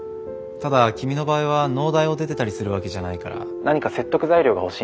ただ君の場合は農大を出てたりするわけじゃないから何か説得材料が欲しいんだよね。